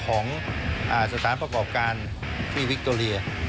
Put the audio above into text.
ของสถานประกอบการที่วิคโตเรีย